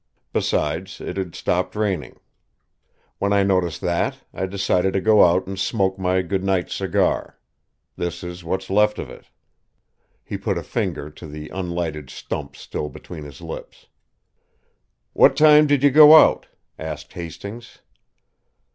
Besides, it had stopped raining. When I noticed that, I decided to go out and smoke my good night cigar. This is what's left of it." He put a finger to the unlighted stump still between his lips. "What time did you go out?" asked Hastings.